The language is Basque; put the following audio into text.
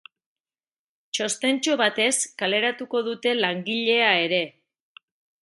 Txostentxo batez kaleratuko dute langilea ere.